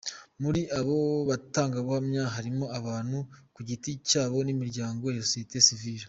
Muri abo batangabuhamya harimo abantu ku giti cyabo n’imiryango ya sosiyete sivile.